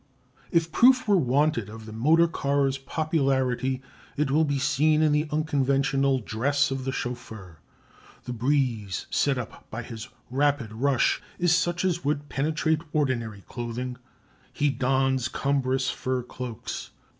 If proof were wanted of the motor car's popularity it will be seen in the unconventional dress of the chauffeur. The breeze set up by his rapid rush is such as would penetrate ordinary clothing; he dons cumbrous fur cloaks.